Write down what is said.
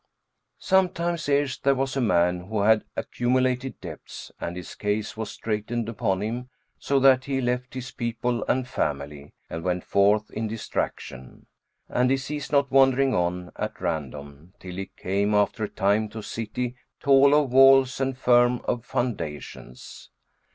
Sometime erst there was a man, who had accumulated debts, and his case was straitened upon him, so that he left his people and family and went forth in distraction; and he ceased not wandering on at random till he came after a time to a city tall of walls and firm of foundations.